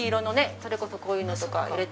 それこそこういうのとか入れても。